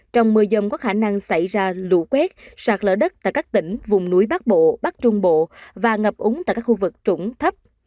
trong mưa dông có khả năng xảy ra lũ quét sạt lỡ đất tại các tỉnh vùng núi bắc bộ bắc trung bộ và ngập úng tại các khu vực trũng thấp